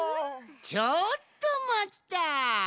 ちょっとまった！